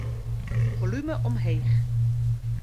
Folume omheech.